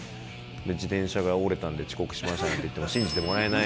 自転車が折れたんで、遅刻しましたなんて言っても、信じてもらえない。